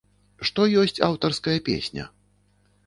Што ёсць аўтарская песня?